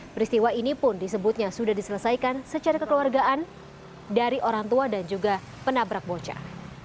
peristiwa ini pun disebutnya sudah diselesaikan secara kekeluargaan dari orang tua dan juga penabrak bocah